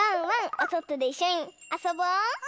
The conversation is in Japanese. おそとでいっしょにあそぼう！